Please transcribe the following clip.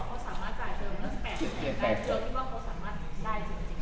แล้วแสดงว่าเขาสามารถได้จริง